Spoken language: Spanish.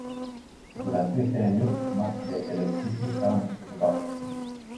Durante ese año, más de del edificio estaban desocupados.